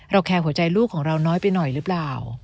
แคร์หัวใจลูกของเราน้อยไปหน่อยหรือเปล่า